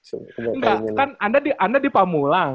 enggak kan anda di pamula